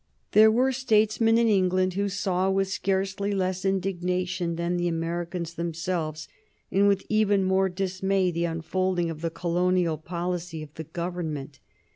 There were statesmen in England who saw with scarcely less indignation than the Americans themselves, and with even more dismay, the unfolding of the colonial policy of the Government.